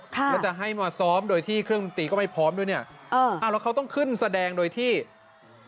แล้วจะให้มาซ้อมโดยที่เครื่องรีตรีก็ไม่พร้อมด้วยเนี่ย